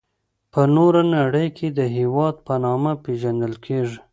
په نوره نړي کي د هیواد په نامه پيژندل کيږي.